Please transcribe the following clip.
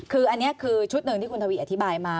คืออันนี้คือชุดหนึ่งที่คุณทวีอธิบายมา